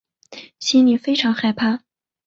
心里非常害怕